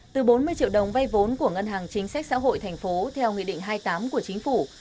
từ bốn mươi triệu đồng vay vốn của ngân hàng chính sách xã hội thành phố theo nghị định hai mươi tám của chính phủ